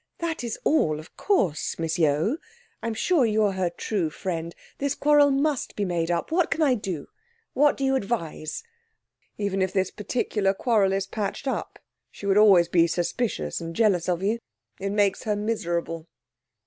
That is all, of course. Miss Yeo, I'm sure you're her true friend. This quarrel must be made up. What can I do? What do you advise?' 'Even if this particular quarrel is patched up, she would always be suspicious and jealous of you. It makes her miserable.'